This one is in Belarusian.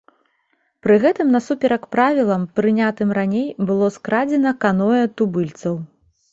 Пры гэтым насуперак правілам, прынятым раней, было скрадзена каноэ тубыльцаў.